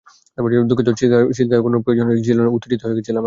দুঃখিত, চিৎকার করার কোনো প্রয়োজন ছিল না, উত্তেজিত হয়ে গেছিলাম আর কি।